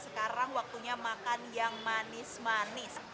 sekarang waktunya makan yang manis manis